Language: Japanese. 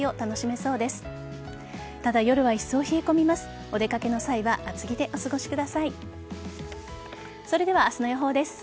それでは明日の予報です。